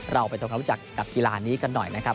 เราไปทำความรู้จักกับกีฬานี้กันหน่อยนะครับ